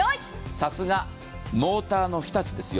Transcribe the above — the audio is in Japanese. さすが、モーターの日立ですよ。